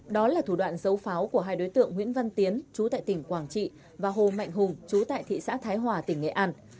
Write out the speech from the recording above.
đó là thủ đoạn dấu pháo của hai đối tượng nguyễn văn tiến chú tại tỉnh quảng trị và hồ mạnh hùng chú tại thị xã thái hòa tỉnh nghệ an